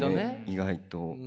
意外と。